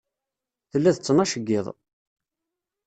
Tella d ttnac n yiḍ.